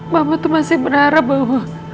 mama tuh masih berharap bahwa